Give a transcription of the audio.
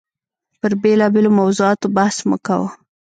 پر بېلابېلو موضوعاتو بحث مو کاوه.